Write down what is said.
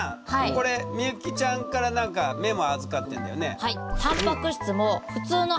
これ幸ちゃんから何かメモ預かってんだよね。